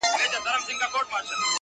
شپانه څرنگه په دښت كي مېږي پيايي-